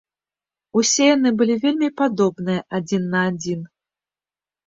Усе яны былі вельмі падобныя адзін на адзін.